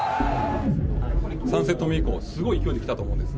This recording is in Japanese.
３セット目以降すごい勢いできたと思うんです。